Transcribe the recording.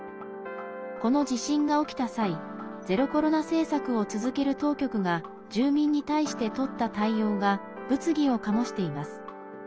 この地震が起きた際ゼロコロナ政策を続ける当局が住民に対してとった対応が物議を醸しています。